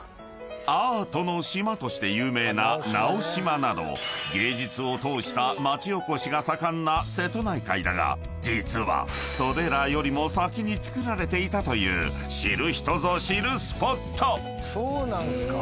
［アートの島として有名な直島など芸術を通した町おこしが盛んな瀬戸内海だが実はそれらよりも先に造られていたという知る人ぞ知るスポット！］